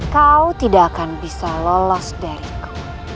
kau tidak akan bisa lolos dariku